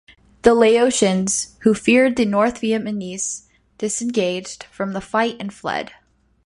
The Laotians, who feared the North Vietnamese, disengaged from the fight and fled.